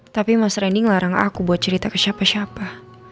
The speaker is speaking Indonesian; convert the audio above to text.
tapi mas randy ngelarang aku buat cerita ke siapa siapa